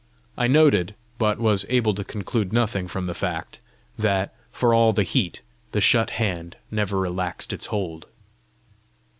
I noted, but was able to conclude nothing from the fact, that, for all the heat, the shut hand never relaxed its hold.